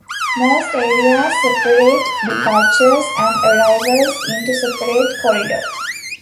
Most areas separate departures and arrivals into separate corridors.